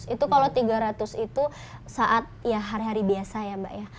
itu kalau tiga ratus itu saat ya hari hari biasa ya mbak ya